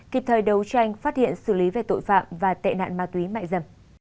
kịp thời đấu tranh phát hiện xử lý về tội phạm và tệ nạn ma túy mại dâm